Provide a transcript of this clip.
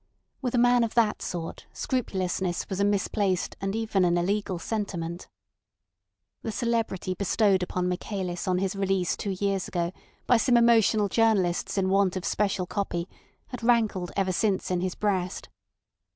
With a man of that sort scrupulousness was a misplaced and even an illegal sentiment. The celebrity bestowed upon Michaelis on his release two years ago by some emotional journalists in want of special copy had rankled ever since in his breast.